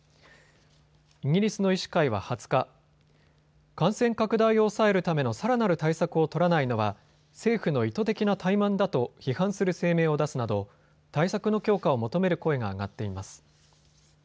イギリスの医師会は２０日、感染拡大を抑えるためのさらなる対策を取らないのは政府の意図的な怠慢だと批判する声明を出すなど対策の強化を求める声が上がっています。